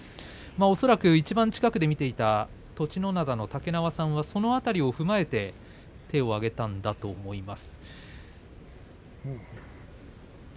いちばん近くで見ていた竹縄さんはその辺りを踏まえて手を挙げたんだと思います。